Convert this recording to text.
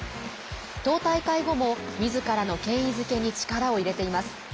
党大会後もみずからの権威付けに力を入れています。